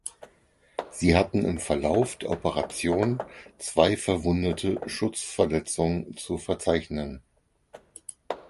Sie hatten im Verlauf der Operation zwei Verwundete (Schussverletzungen) zu verzeichnen.